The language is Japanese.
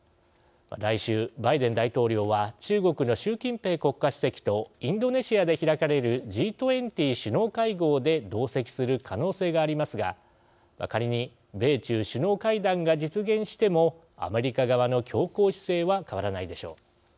来週、バイデン大統領は中国の習近平国家主席とインドネシアで開かれるＧ２０首脳会合で同席する可能性がありますが仮に米中首脳会談が実現してもアメリカ側の強硬姿勢は変わらないでしょう。